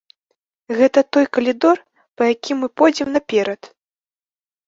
Гэта той калідор, па якім мы пойдзем наперад.